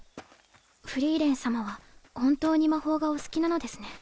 フリーレン様は本当に魔法がお好きなのですね。